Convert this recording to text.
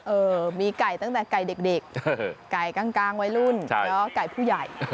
เออมีไก่ตั้งแต่ไก่เด็กไก่กลางวัยรุ่นไก่ผู้ใหญ่